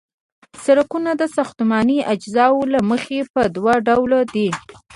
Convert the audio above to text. سرکونه د ساختماني اجزاوو له مخې په دوه ډلو دي